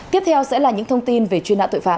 tiếp theo sẽ là những thông tin về truy nã tội phạm